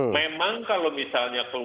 memang kalau misalnya